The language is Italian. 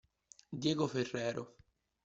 Diego Ferrero